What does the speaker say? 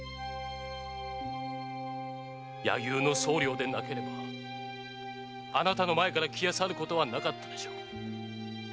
柳生の総領でなければあなたの前から消え去ることはなかったでしょう。